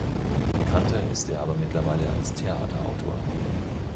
Bekannter ist er aber mittlerweile als Theaterautor.